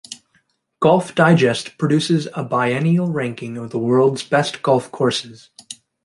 "Golf Digest" produces a biennial ranking of the world's best golf courses.